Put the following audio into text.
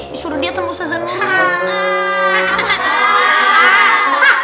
disuruh diet sama ustadz zanul